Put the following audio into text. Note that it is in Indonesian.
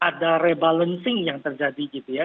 jadi tentu ada rebalancing yang terjadi gitu ya